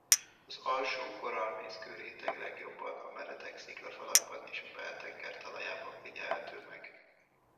Az alsó korallmészkő-réteg legjobban a meredek sziklafalakban és a beltenger talajában figyelhető meg.